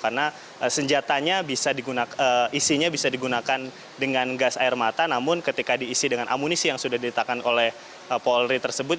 karena isinya bisa digunakan dengan gas air mata namun ketika diisi dengan amunisi yang sudah didatangkan oleh polri tersebut